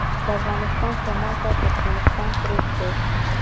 د افغانستان شمال ته ترکمنستان پروت دی